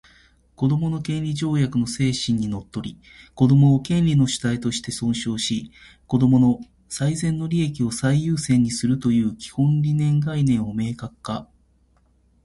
「子どもの権利条約」の精神にのっとり、子供を権利の主体として尊重し、子供の最善の利益を最優先にするという基本理念を明確化